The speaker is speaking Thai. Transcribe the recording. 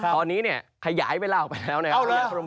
ตอนนี้เนี่ยขยายเวลาออกไปแล้วนะครับ